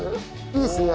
いいですね。